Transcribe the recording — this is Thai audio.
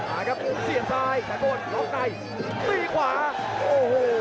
มาครับเสียบซ้ายแสนบนล็อกในตีขวาโอ้โห